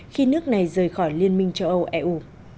khi nước này rời khỏi liên minh châu âu eu